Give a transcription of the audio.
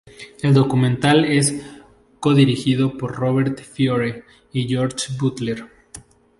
El documental es co-dirigido por Robert Fiore y George Butler.